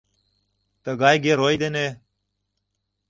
«Тыгай герой дене...